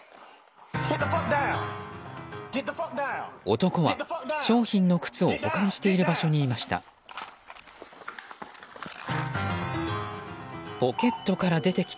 男は、商品の靴を保管している場所にいました。